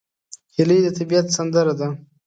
هیلۍ د طبیعت سندره ده